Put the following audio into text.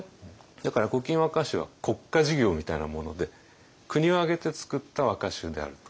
だから「古今和歌集」は国家事業みたいなもので国を挙げて作った和歌集であると。